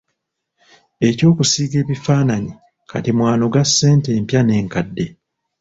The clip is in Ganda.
Eky’okusiiga ebifaananyi kati mw’anoga ssente empya n’enkadde.